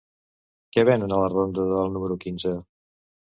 Què venen a la ronda de Dalt número quinze?